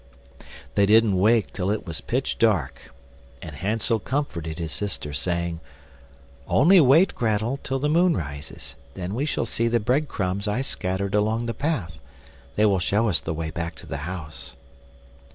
They didn't awake till it was pitch dark, and Hansel comforted his sister, saying: "Only wait, Grettel, till the moon rises, then we shall see the bread crumbs I scattered along the path; they will show us the way back to the house."